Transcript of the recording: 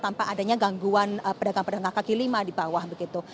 tanpa adanya gangguan pedagang pedagang kaki lima di bawah begitu